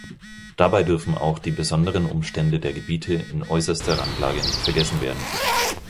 Dabei dürfen auch die besonderen Umstände der Gebiete in äußerster Randlage nicht vergessen werden.